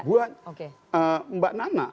buat mbak nana